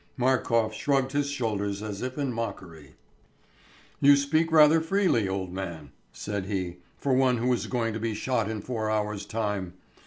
'" Markof shrugged his shoulders as if in mockery. "You speak rather freely, old man," said he, "for one who is going to be shot in four hours' time.